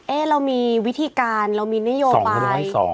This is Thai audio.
เอ๊ะเรามีวิธีการเรามีนโยปราย